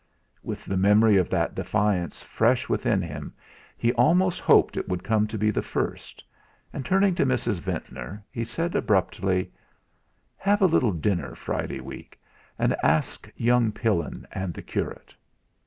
With the memory of that defiance fresh within him, he almost hoped it might come to be the first, and turning to Mrs. Ventnor, he said abruptly: "Have a little dinner Friday week, and ask young Pillin and the curate."